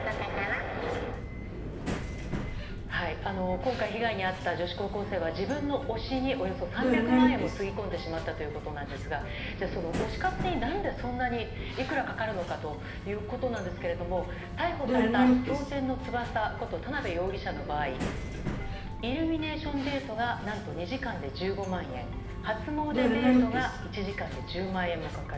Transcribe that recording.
今回、被害に遭った女子高校生は自分の推しにおよそ３００万円もつぎ込んでしまったということですが推し活に何でそんなに、いくらかかるのかということですが逮捕された蒼天の翼こと田辺容疑者の場合イルミネーションデートが２時間で１５万円初詣デートが１時間で１０万円もかかる。